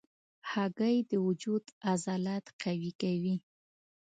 هګۍ د وجود عضلات قوي کوي.